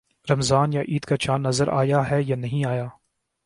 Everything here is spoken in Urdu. رمضان یا عید کا چاند نظر آیا ہے یا نہیں آیا